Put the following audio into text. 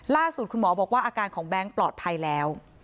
ล่าสุดคุณหมอบอกว่าอาการของแบงค์ปลอดภัยแล้ว